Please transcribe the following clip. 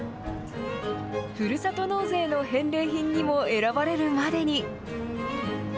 ふるさと納税の返礼品にも選ばれるまでに。